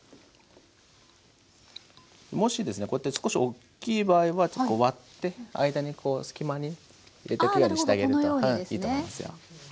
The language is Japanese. もしですねこうやって少しおっきい場合はこう割って間に隙間に入れてきれいにしてあげるといいと思いますよ。